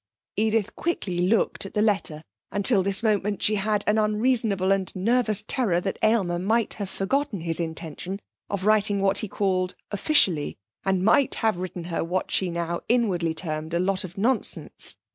Edith quickly looked at the letter. Until this moment she had had an unreasonable and nervous terror that Aylmer might have forgotten his intention of writing what he called officially, and might have written her what she now inwardly termed a lot of nonsense.